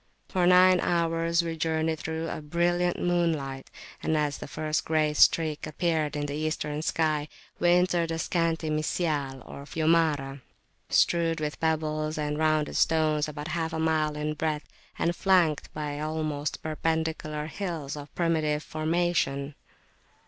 For nine hours we journeyed through a brilliant moonlight, and as the first grey streak appeared in the Eastern sky we entered a scanty "Misyal,[FN#15]" or Fiumara, strewed with pebbles and rounded stones, about half a mile in breadth, and flanked by almost perpendicular hills of primitive formation.